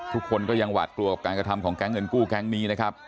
ทุกคนก็ยังหวาดกลัวกับการกระทำของแก๊งเงินกู้แก๊งนี้นะครับ